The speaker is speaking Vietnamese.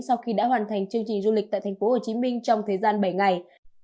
sau khi đã hoàn thành chương trình du lịch tại tp hcm trong thời gian bảy ngày